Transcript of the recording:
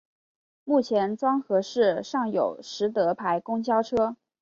目前庄河市尚有实德牌公交车。